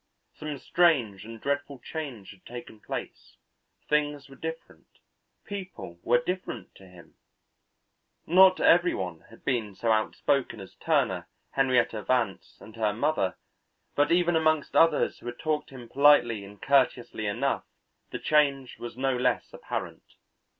Some strange and dreadful change had taken place; things were different, people were different to him; not every one had been so outspoken as Turner, Henrietta Vance and her mother, but even amongst others who had talked to him politely and courteously enough, the change was no less apparent.